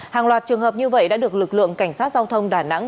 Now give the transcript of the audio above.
hàng loạt trường hợp như vậy đã được lực lượng cảnh sát giao thông đà nẵng